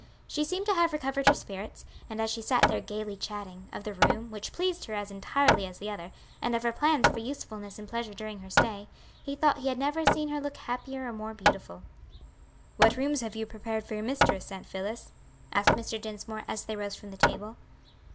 She seemed to have recovered her spirits, and as she sat there gayly chatting of the room, which pleased her as entirely as the other, and of her plans for usefulness and pleasure during her stay, he thought he had never seen her look happier or more beautiful. "What rooms have you prepared for your mistress, Aunt Phillis?" asked Mr. Dinsmore, as they rose from the table.